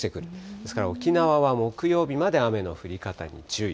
ですから沖縄は木曜日まで雨の降り方に注意。